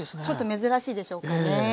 ちょっと珍しいでしょうかね。